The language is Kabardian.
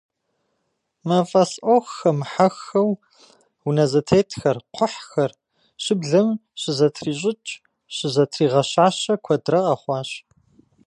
Мафӏэс ӏуэху хэмыхьэххэу, унэ зэтетхэр, кхъухьхэр, щыблэм щызэтрищӏыкӏ, щызэтригъэщащэ куэдрэ къэхъуащ.